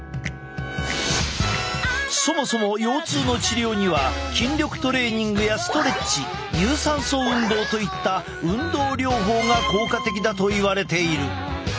そもそも腰痛の治療には筋力トレーニングやストレッチ有酸素運動といった運動療法が効果的だといわれている。